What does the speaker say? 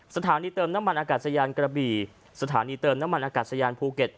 สถานีเติมน้ำมันอากาศยานกระบี่สถานีเติมน้ำมันอากาศยานภูเก็ต